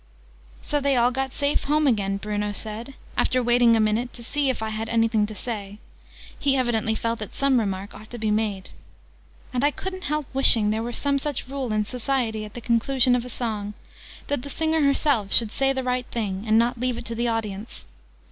"So they all got safe home again," Bruno said, after waiting a minute to see if I had anything to say: he evidently felt that some remark ought to be made. And I couldn't help wishing there were some such rule in Society, at the conclusion of a song that the singer herself should say the right thing, and not leave it to the audience.